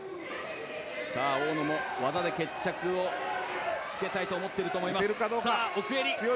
大野も技で決着をつけたいと思っていると思います。